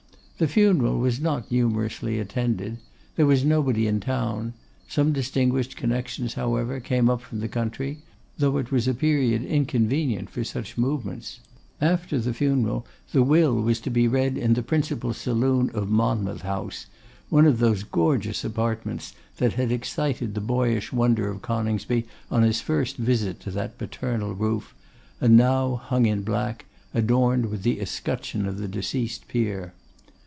The funeral was not numerously attended. There was nobody in town; some distinguished connections, however, came up from the country, though it was a period inconvenient for such movements. After the funeral, the will was to be read in the principal saloon of Monmouth House, one of those gorgeous apartments that had excited the boyish wonder of Coningsby on his first visit to that paternal roof, and now hung in black, adorned with the escutcheon of the deceased peer.